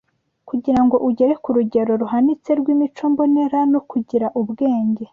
Kugira ngo ugere ku rugero ruhanitse rw’imico mbonera no kugira ubwenge,